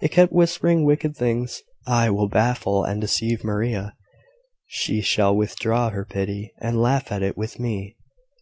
It kept whispering wicked things, "I will baffle and deceive Maria: she shall withdraw her pity, and laugh at it with me."